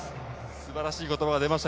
素晴らしい言葉が出ました。